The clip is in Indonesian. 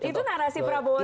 itu narasi prabowo sandi